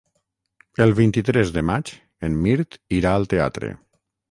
El vint-i-tres de maig en Mirt irà al teatre.